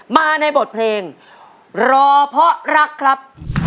มาในบทเพลงรอเพราะรักครับ